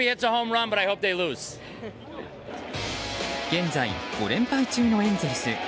現在、５連敗中のエンゼルス。